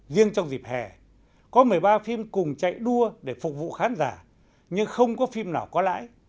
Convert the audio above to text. riêng trong dịp hè có một mươi ba phim cùng chạy đua để phục vụ khán giả nhưng không có phim nào có lãi